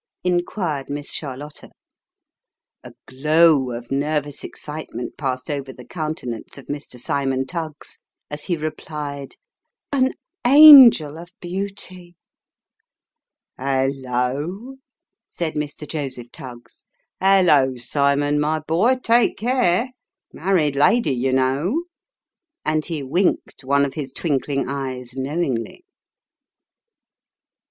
" inquired Miss Charlotta. A glow of nervous excitement passed over the countenance of Mr. Cymon Tuggs, as he replied, " An angel of beauty !"" Hallo !" said Mr. Joseph Tuggs. " Hallo, Cymon, my boy, take care. Married lady, you know ;" and he winked one of his twinkling eyes knowingly.